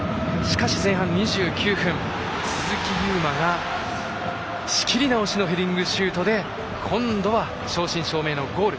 前半２９分、鈴木優磨が仕切りなおしのヘディングシュートで今度は正真正銘のゴール。